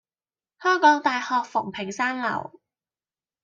香港大學馮平山樓